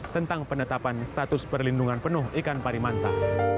tentang penetapan status perlindungan penuh ikan parimanta